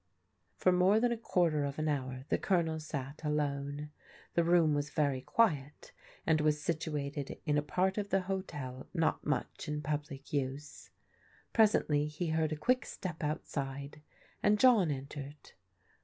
For more than a quarter of an hour the Colonel sat alone. The room was very quiet and was situated in a part of the hotel not much in public use. Presently he heard a quick step outside, and John entered.